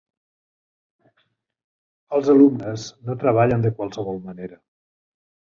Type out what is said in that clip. Els alumnes no treballen de qualsevol manera